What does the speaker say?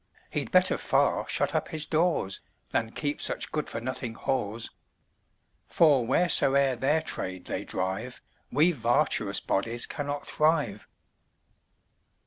He'd better far shut up his doors, Than keep such good for nothing whores; For wheresoe'er their trade they drive, We vartuous bodies cannot thrive."